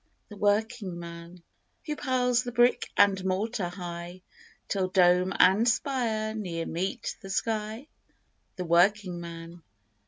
The working man. Who piles the brick and mortar, high, Till dome and spire near meet the sky ? The working man.